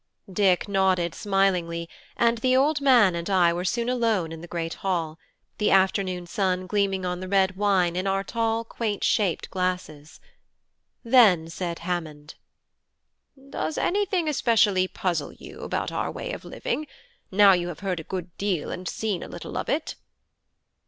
Dick nodded smilingly, and the old man and I were soon alone in the great hall, the afternoon sun gleaming on the red wine in our tall quaint shaped glasses. Then said Hammond: "Does anything especially puzzle you about our way of living, now you have heard a good deal and seen a little of it?"